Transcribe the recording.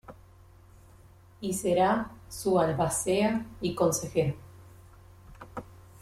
Y será su albacea y consejero.